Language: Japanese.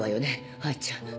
藍ちゃん。